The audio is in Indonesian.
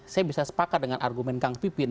saya bisa sepakat dengan argumen kang pipin